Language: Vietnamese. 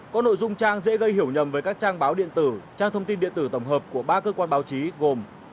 có nội dung trang dễ gây hiểu nhầm với các trang báo điện tử trang thông tin điện tử tổng hợp của ba cơ quan báo chí gồm